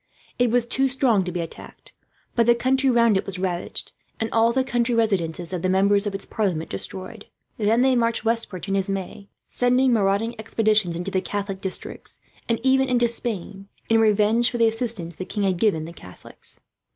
It was too strong to be attacked; but the country round it was ravaged, and all the country residences of the members of its parliament destroyed. Then they marched westward to Nismes, sending marauding expeditions into the Catholic districts, and even into Spain, in revenge for the assistance the king had given the Catholics.